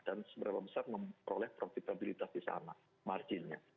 dan seberapa besar memperoleh profitabilitas di sana marginnya